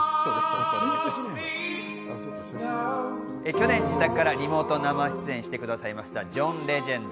去年、自宅からリモート生出演してくれたジョン・レジェエンド。